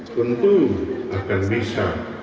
tentu akan bisa